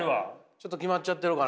ちょっとキマっちゃってるかな？